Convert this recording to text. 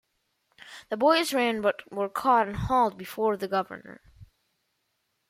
The boys ran but were caught and hauled before the governor.